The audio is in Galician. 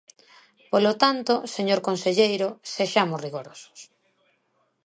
Polo tanto, señor conselleiro, sexamos rigorosos.